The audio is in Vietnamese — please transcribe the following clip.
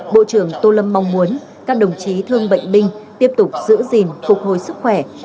bộ trưởng tô lâm mong muốn các đồng chí thương bệnh binh tiếp tục giữ gìn phục hồi sức khỏe